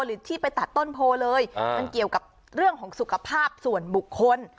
หรือที่ไปตัดต้นโพเลยมันเกี่ยวกับเรื่องของสุขภาพส่วนบุคคล